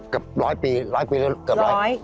กับร้อยปีร้อยปีเรียบร้อยร้อย